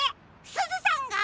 すずさんが？